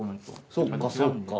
そっかそっか。